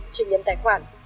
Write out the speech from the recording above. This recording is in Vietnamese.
một chuyển nhầm tài khoản